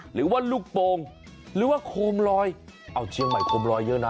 หรือว่าลูกโป่งหรือว่าโคมลอยเอาเชียงใหม่โคมลอยเยอะนะ